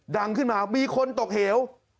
ดังขึ้นมามีคนตกเหว